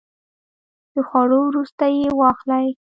د خوړو وروسته یی واخلئ